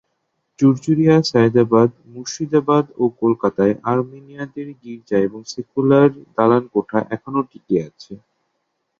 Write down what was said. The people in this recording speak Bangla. চুঁচুড়া, সায়দাবাদ, মুর্শিদাবাদ ও কলকাতায় আর্মেনীয়দের গির্জা এবং সেক্যুলার দালানকোঠা এখনও টিকে আছে।